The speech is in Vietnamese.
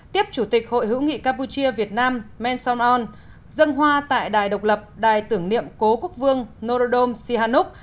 tiếp chủ tịch hội hữu nghị campuchia việt nam manson on dân hoa tại đài độc lập đài tưởng niệm cố quốc vương norodom sihamoni